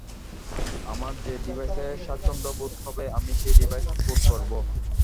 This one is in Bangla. আমার যে ডিভাইসে স্বাচ্ছন্দ বোধ হবে আমি সেই ডিভাইসে কোড করবো।